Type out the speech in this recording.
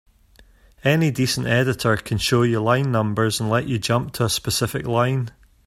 Any decent editor can show you line numbers and let you jump to a specific line.